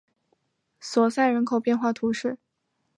索赛人口变化图示